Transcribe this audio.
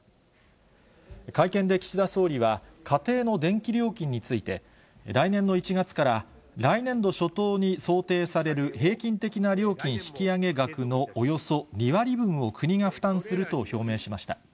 会見で岸田総理は、家庭の電気料金について、来年の１月から来年度初頭に想定される平均的な料金引き上げ額のおよそ２割分を国が負担すると表明しました。